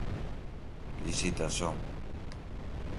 licitação